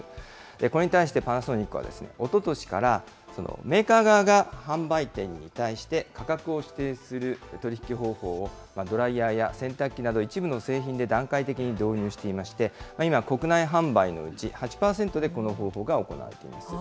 これに対してパナソニックは、おととしから、メーカー側が販売店に対して価格を決定する販売方法をドライヤーや洗濯機など、一部の製品で段階的に導入していまして、今、国内販売のうち８％でこの方法が行われています。